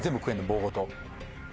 棒ごと。